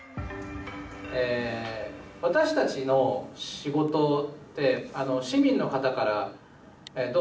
私たちの仕事って市民の方から、どう思われてるか。